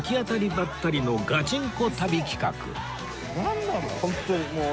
ばったりのガチンコ旅企画